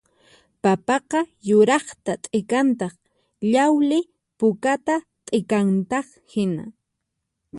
Papaqa yuraqta t'ikantaq llawli pukata t'ikantaq hinan